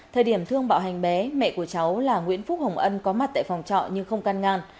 thời điểm thương bạo hành bé mẹ của cháu là nguyễn phúc hồng ân có mặt tại phòng trọ nhưng không can ngăn